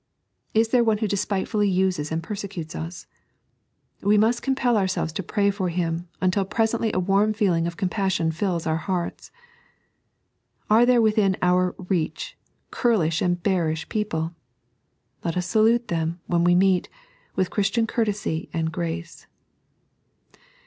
Is there one who despitefully uses and persecutes usT We must compel ourselves to pray for him, until presently a warm feeling of compassion fills our hearts. Are there within our reach churlish and bearish people ? Let us salute them, when we meet, with Christian courtesy and grace.